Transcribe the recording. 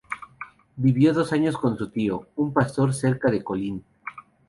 Vivió diez años con su tío, un pastor cerca de Kolín.